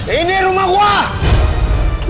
ini rumah gue